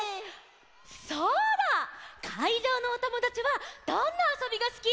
そうだ！かいじょうのおともだちはどんなあそびがすき？